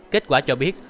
kết quả cho biết